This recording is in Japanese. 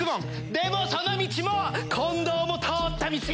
でもその道も近道も通った道。